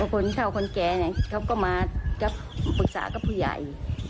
คนเท่าคนแก่เขาก็มาจะปรึกษากับผู้ใหญ่